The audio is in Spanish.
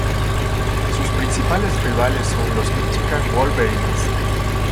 Sus principales rivales son los Michigan Wolverines.